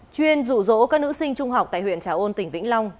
chuyên rụ rỗ các nữ sinh trung học tại huyện trà ôn tỉnh vĩnh long